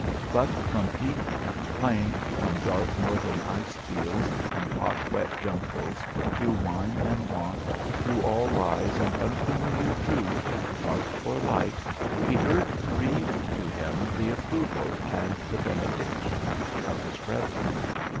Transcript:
But from peak and plain, from dark northern ice fields and hot wet jungles, through wine and want, through all lies and unfamiliar truth, dark or light, he heard breathed to him the approval and the benediction of his brethren.